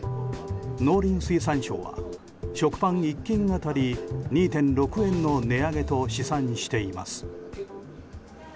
農林水産省は食パン１斤当たり２．６円の値上げと試算しています。